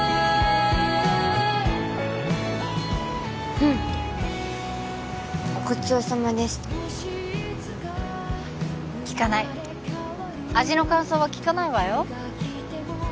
うんっごちそうさまでした聞かない味の感想は聞かないわよ